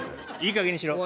いいかげんにしろ。